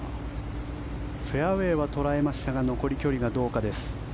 フェアウェーは捉えましたが残り、距離がどうかです。